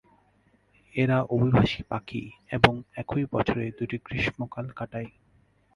এরা অভিবাসী পাখি এবং একই বছরে দুটি গ্রীষ্মকাল কাটায়।